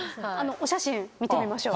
お写真見てみましょう。